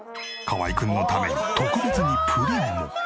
河合くんのために特別にプリンも。